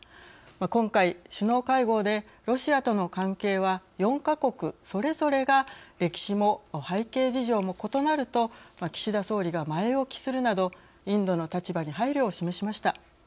今回、首脳会合で「ロシアとの関係は４か国それぞれが歴史も背景事情も異なる」と岸田総理が前置きするなどインドの立場に配慮を示しました。